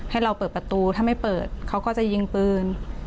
ให้เราเปิดประตูถ้าไม่เปิดเขาก็จะยิงปืน